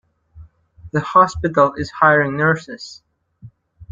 The hospital is hiring nurses.